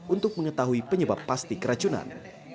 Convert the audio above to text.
untuk mengetahui penyebab pasti keracunan